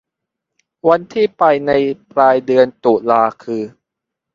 วันที่ไปในปลายเดือนตุลาคือ